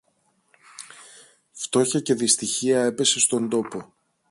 Φτώχεια και δυστυχία έπεσε στον τόπο